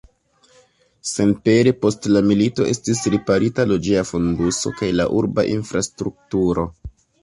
Senpere post la milito estis riparita loĝeja fonduso kaj la urba infrastrukturo.